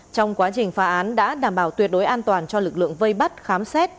trong quá trình phá án đã đảm bảo tuyệt đối an toàn cho lực lượng vây bắt khám xét